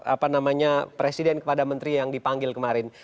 apa namanya presiden kepada menteri yang dipanggil kemarin